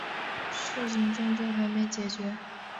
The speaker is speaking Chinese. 事情终究还没解决